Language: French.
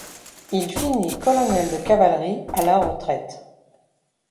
Il finit colonel de cavalerie à la retraite.